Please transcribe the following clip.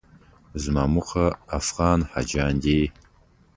زما موخه افغان حاجیان دي.